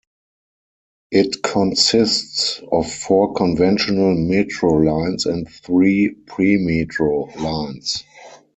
It consists of four conventional metro lines and three premetro lines.